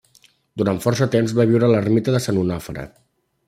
Durant força temps va viure a l'ermita de Sant Onofre.